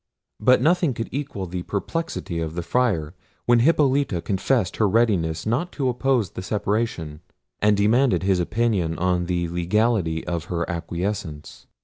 But nothing could equal the perplexity of the Friar, when Hippolita confessed her readiness not to oppose the separation, and demanded his opinion on the legality of her acquiescence.